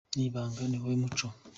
Ni ibanga... Ni wo muco. "